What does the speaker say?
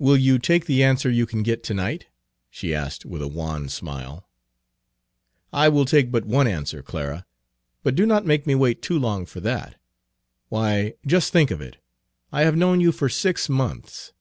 "Will you take the answer you can get tonight?" she asked with a wan smile. "I will take but one answer, Clara. But do not make me wait too long for that. Why, just think of it! I have known you for six months."